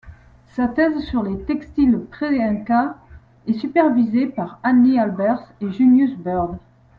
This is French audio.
Sa thèse sur les textiles pré-incas est supervisée par Anni Albers et Junius Bird.